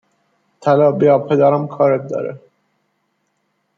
طلا بیا پدرم کارت داره